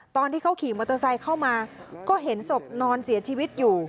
ตอนที่เขาขี่มอเตอร์ไซค์เข้ามาก็เห็นศพนอนเสียชีวิตอยู่